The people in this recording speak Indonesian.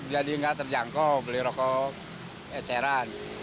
jadi nggak terjangkau beli rokok eceran